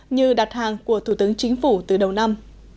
như đặt hàng của thủ tướng chính phủ từ đầu năm